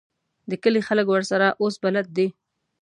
د کلي خلک ورسره اوس بلد دي.